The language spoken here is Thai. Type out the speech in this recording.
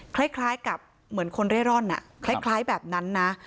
คล้ายกับเหมือนคนเร่ร่อนคล้ายแบบนั้นนะ